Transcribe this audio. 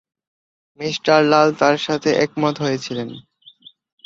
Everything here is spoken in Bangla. মিঃ লাল তার সাথে একমত হয়েছিলেন।